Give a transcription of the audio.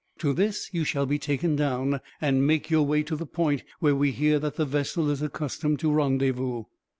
To this you shall be taken down, and make your way to the point where we hear that the vessel is accustomed to rendezvous."